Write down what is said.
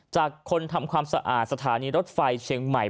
จากคนทำความสะอาดสถานีรถไฟเชียงใหม่